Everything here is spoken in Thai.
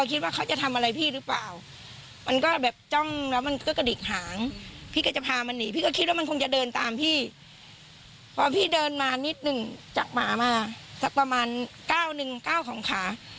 สักประมาณก้าวหนึ่งก้าวของขา